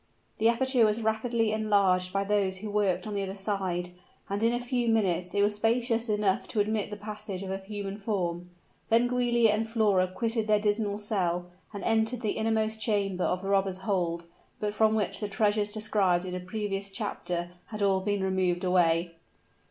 The aperture was rapidly enlarged by those who worked on the other side, and in a few minutes it was spacious enough to admit the passage of a human form. Then Giulia and Flora quitted their dismal cell, and entered the innermost chamber of the robbers' hold, but from which the treasures described in a previous chapter had all been removed away.